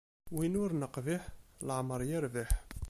Win ur neqbiḥ leɛmeṛ irbiḥ.